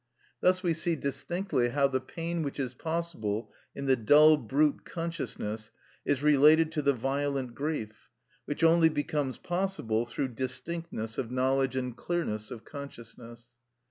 Thus we see distinctly how the pain which is possible in the dull brute consciousness is related to the violent grief, which only becomes possible through distinctness of knowledge and clearness of consciousness.